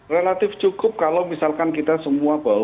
relatif cukup kalau misalkan kita semua bahwa